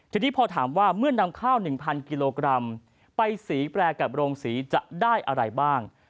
ทีนี้พอถามว่าเมื่อนำข้าว๑๐๐กิโลกรัมไปสีแปรกับโรงสีจะได้อะไรบ้าง